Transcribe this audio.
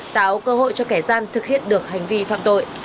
tạo cơ hội cho kẻ gian thực hiện được hành vi phạm tội